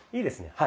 はい。